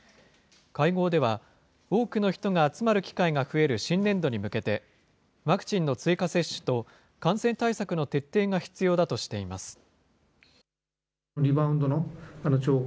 会合では、多くの人が集まる機会が増える新年度に向けて、ワクチンの追加接種と感染対策の徹底が必要だとしています。